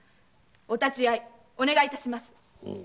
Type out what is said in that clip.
お立ち会いをお願い致します！